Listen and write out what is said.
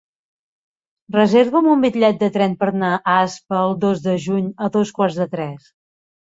Reserva'm un bitllet de tren per anar a Aspa el dos de juny a dos quarts de tres.